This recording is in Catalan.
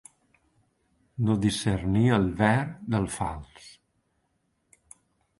No discernir el ver del fals.